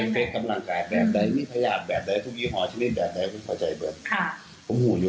พยายามแบบใดแต่ยี่หอชนิดแบบใดคุณเข้าใจเบิ